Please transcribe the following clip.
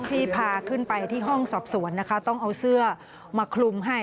ที่พาขึ้นไปที่ห้องสอบสวนนะคะต้องเอาเสื้อมาคลุมให้